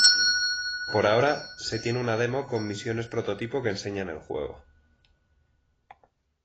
Por ahora, se tiene una demo con misiones prototipo que enseñan el juego.